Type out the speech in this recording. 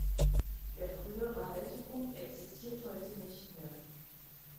Der frühere Haltepunkt existiert heute nicht mehr.